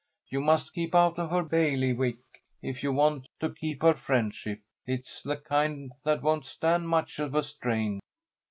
You must keep out of her bailiwick if you want to keep her friendship. It's the kind that won't stand much of a strain."